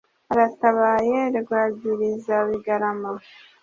Aratabaye Rwagirizabigarama